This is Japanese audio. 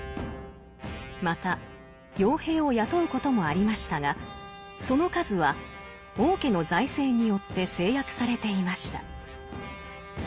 また傭兵を雇うこともありましたがその数は王家の財政によって制約されていました。